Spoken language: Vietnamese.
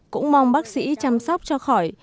cũng mong bác sĩ chăm sóc cho khỏi